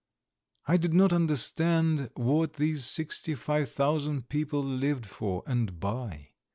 I did not understand what these sixty five thousand people lived for and by.